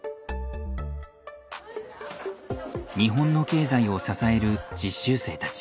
日本の経済を支える実習生たち。